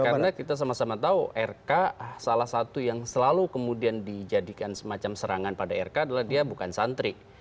karena kita sama sama tahu rk salah satu yang selalu kemudian dijadikan semacam serangan pada rk adalah dia bukan santri